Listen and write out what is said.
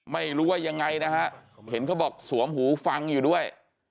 ไม่รู้ว่ายังไงนะฮะเห็นเขาบอกสวมหูฟังอยู่ด้วย